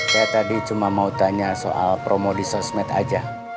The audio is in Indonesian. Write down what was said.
saya tadi cuma mau tanya soal promo di sosmed aja